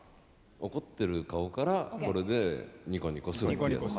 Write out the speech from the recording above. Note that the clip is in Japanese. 怒ってる顔からこれでニコニコするっていうやつ。